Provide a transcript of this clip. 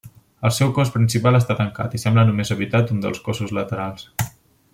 El seu cos principal està tancat i sembla només habitat un dels cossos laterals.